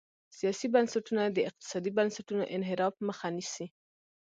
سیاسي بنسټونه د اقتصادي بنسټونو انحراف مخه نیسي.